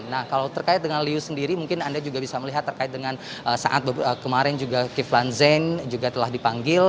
nah kalau terkait dengan liu sendiri mungkin anda juga bisa melihat terkait dengan saat kemarin juga kiflan zain juga telah dipanggil